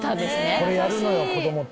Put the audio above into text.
これやるのよ子どもって。